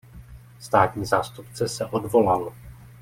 Státní zástupce se odvolal.